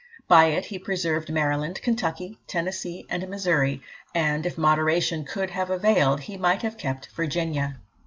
By it he preserved Maryland, Kentucky, Tennessee, and Missouri, and, if moderation could have availed, he might have kept Virginia.